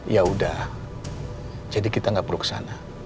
ya udah jadi kita gak perlu ke sana